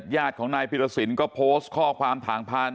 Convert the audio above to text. ญาติของนายพิรสินก็โพสต์ข้อความทางผ่าน